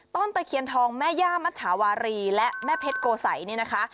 ตะเคียนทองแม่ย่ามัชชาวารีและแม่เพชรโกสัยเนี่ยนะคะ